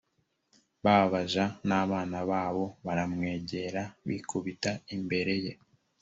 ba baja n abana babo baramwegera bikubita imbere ye